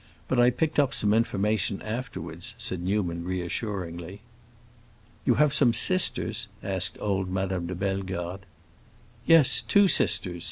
But I picked up some information afterwards," said Newman, reassuringly. "You have some sisters?" asked old Madame de Bellegarde. "Yes, two sisters.